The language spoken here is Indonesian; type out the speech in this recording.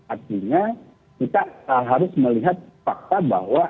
artinya kita harus melihat fakta bahwa